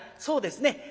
「そうですね。